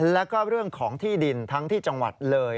แล้วก็เรื่องของที่ดินทั้งที่จังหวัดเลย